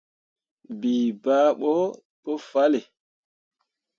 Bii bah ɓo pu fahlle.